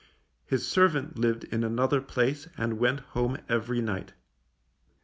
His servant lived in another place, and went home every night.